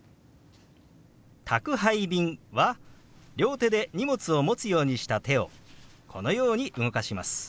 「宅配便」は両手で荷物を持つようにした手をこのように動かします。